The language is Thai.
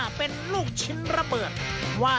มีมีน้องเคยดูมีหรือเปล่า